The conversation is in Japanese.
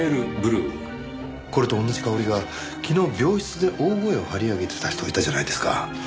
これと同じ香りが昨日病室で大声を張り上げてた人いたじゃないですか。